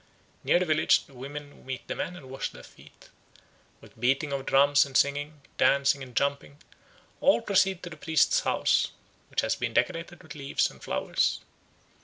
Near the village the women meet the men and wash their feet. With beating of drums and singing, dancing, and jumping, all proceed to the priest's house, which has been decorated with leaves and flowers.